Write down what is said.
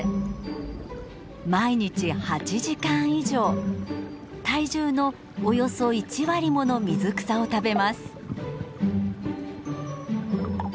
毎日８時間以上体重のおよそ１割もの水草を食べます。